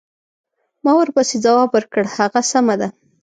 ما ورپسې ځواب ورکړ: هغه سمه ده.